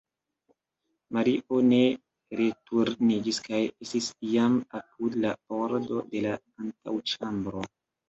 Mario ne returniĝis kaj estis jam apud la pordo de la antaŭĉambro.